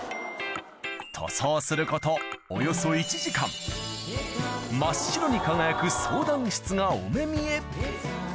塗装することおよそ１時間真っ白に輝く相談室がお目見え